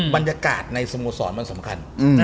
บรรยากาศในสโมสรมันสำคัญ